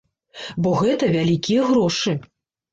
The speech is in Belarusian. Бо гэта вялікія грошы.